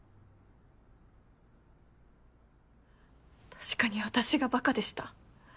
確かに私が馬鹿でした。